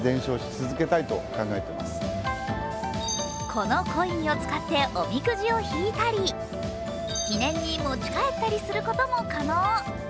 このコインを使っておみくじを引いたり記念に持ち帰ったりすることも可能。